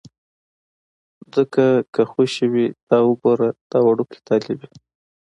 ځکه که خوشې وي، دا وګوره دا وړوکی طالب یې.